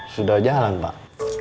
sudah jalan pak